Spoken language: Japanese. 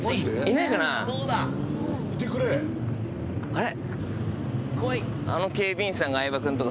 あれ？